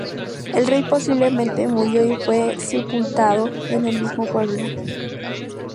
El rey posiblemente murió y fue sepultado en el mismo pueblo.